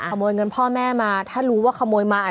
ขโมยเงินพ่อแม่มาถ้ารู้ว่าขโมยมา